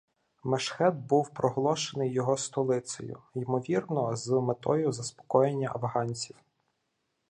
Мешхед був проголошений його столицею, ймовірно, з метою заспокоєння афганців.